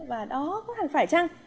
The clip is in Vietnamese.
và đó có thể phải chăng